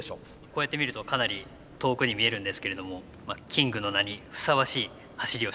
こうやって見るとかなり遠くに見えるんですけれどもキングの名にふさわしい走りをしたいと思います。